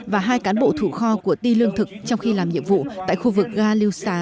và hai cán bộ thủ kho của ti lương thực trong khi làm nhiệm vụ tại khu vực ga liêu xá